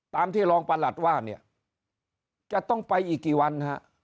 ตามที่รองประหลัดว่าเนี่ยจะต้องไปอีกกี่วันฮะ